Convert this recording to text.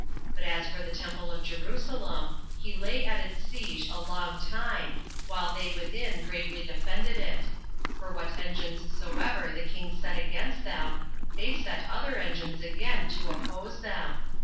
But as for the temple of Jerusalem, he lay at its siege a long time, while they within bravely defended it; for what engines soever the king set against them, they set other engines again to oppose them.